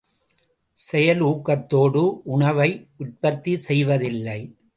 செயலூக்கத்தோடு உணவை உற்பத்தி செய்வதில்லை.